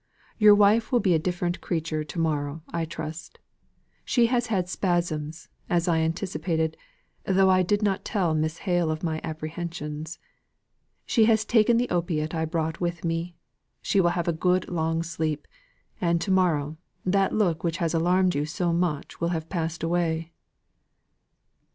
Your wife will be a different creature to morrow, I trust. She has had spasms, as I anticipated, though I did not tell Miss Hale of my apprehensions. She has taken the opiate I brought with me; she will have a good long sleep; and to morrow that look which has alarmed you so much will have passed away."